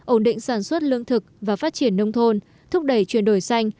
ổn định sản xuất lương thực và phát triển nông thôn thúc đẩy chuyển đổi xanh